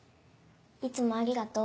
いつもありがとう。